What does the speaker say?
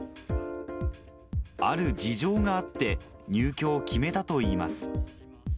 ある事情があって、入居を決めたといいます。